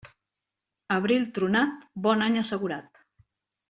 Abril tronat, bon any assegurat.